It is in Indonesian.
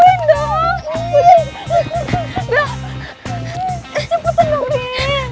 cepetan dong rin